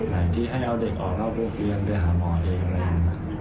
ไหนที่ให้เอาเด็กออกนอกโรงเรียนไปหาหมอเองอะไรอย่างนี้